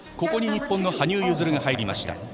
ここに日本の羽生結弦が入りました。